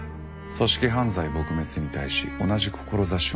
組織犯罪撲滅に対し同じ志を持つ同志でしょう？